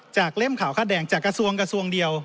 เล่มขาวคาดแดงจากกระทรวงกระทรวงเดียว